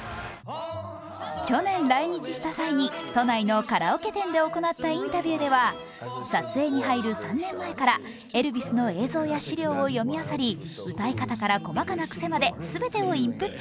去年、来日した際には都内のカラオケ店で行ったインタビューでは、撮影に入る３年前からエルヴィスの映像や資料を読みあさり歌い方から細かな癖まで全てをインプット。